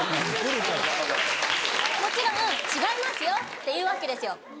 もちろん「違いますよ」って言うわけですよ。